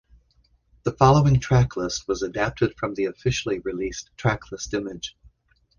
The following tracklist was adapted from the officially released tracklist image.